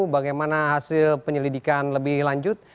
bagaimana hasil penyelidikan lebih lanjut